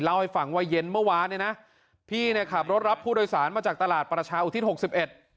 เล่าให้ฟังว่าเย็นเมื่อวานเนี่ยนะพี่เนี่ยขับรถรับผู้โดยสารมาจากตลาดประชาอุทิศหกสิบเอ็ด